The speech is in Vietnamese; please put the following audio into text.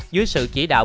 dưới sự chỉ đạo